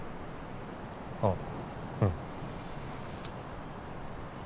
ああうん